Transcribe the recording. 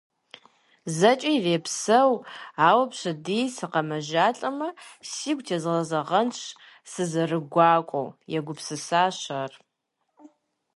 ЗэкӀэ ирепсэу, ауэ пщэдей, сыкъэмэжалӀэмэ, сигу тезгъэзэгъэнщ сызэрегуакӀуэу, - егупсысащ ар.